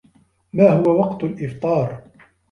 ما هو وقت الإفطار؟